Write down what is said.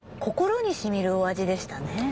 心にしみるお味でしたね。